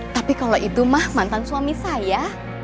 tapi kalau itu mah mantan suami saya